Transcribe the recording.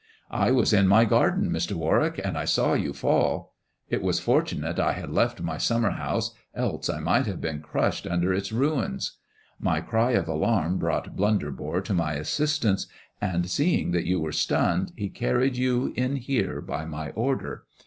" I was in my garden, Mr. Warwick, and I saw you fall. [t was fortunate I had left my summer house, else I might lave been crushed under its ruins. My cry of alarm jrought Blunderbore to my assistance, and seeing that you ^ere stunned he carried you in here by my order.